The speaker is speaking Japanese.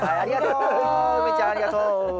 うみちゃんありがとう。